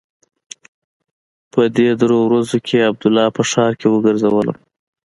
په دې درېو ورځو کښې عبدالله په ښار کښې وګرځولم.